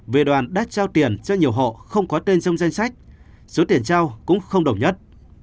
về đoàn đã trao tiền cho nhiều hộ không có tên trong danh sách số tiền trao cũng không đồng nhất